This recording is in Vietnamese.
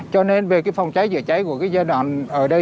cho nên về phòng cháy chữa cháy của giai đoạn ở đây